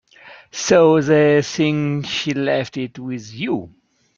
So they think she left it with you.